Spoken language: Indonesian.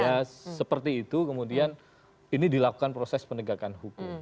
ya seperti itu kemudian ini dilakukan proses penegakan hukum